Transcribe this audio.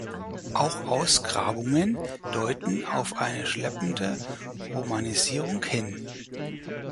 Auch Ausgrabungen deuten auf eine schleppende Romanisierung hin.